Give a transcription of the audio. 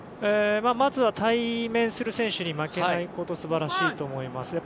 まず対面する選手に負けないことは素晴らしいと思います。